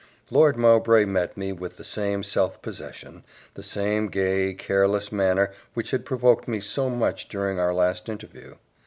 Lord Mowbray met me with the same self possession, the same gay, careless manner which had provoked me so much during our last interview.